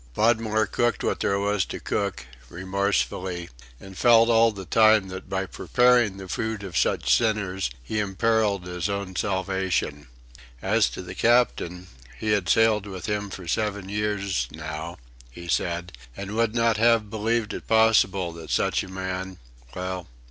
Podmore cooked what there was to cook, remorsefully, and felt all the time that by preparing the food of such sinners he imperilled his own salvation. As to the Captain he had sailed with him for seven years, now, he said, and would not have believed it possible that such a man... "Well.